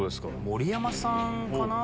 盛山さんかな。